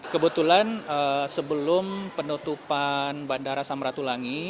kebetulan sebelum penutupan bandara samratulangi